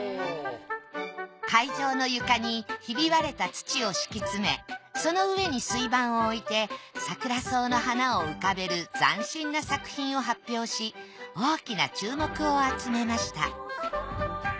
会場の床にひび割れた土を敷き詰めその上に水盤を置いてサクラソウの花を浮かべる斬新な作品を発表し大きな注目を集めました。